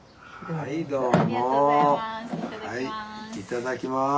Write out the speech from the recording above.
はいいただきます。